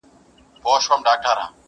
شرنګ د زولنو به دي غوږو ته رسېدلی وي؛